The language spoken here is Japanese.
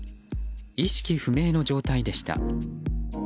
意識不明の状態でした。